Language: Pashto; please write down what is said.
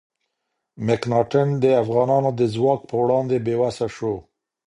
مکناتن د افغانانو د ځواک په وړاندې بې وسه شو.